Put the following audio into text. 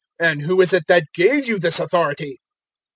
And who is it that gave you this authority?"